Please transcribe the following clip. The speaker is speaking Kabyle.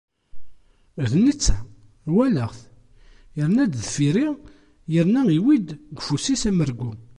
Da netta walaɣ-t irna-d deffir-i yerna iwwi-d deg ufus-is amergu.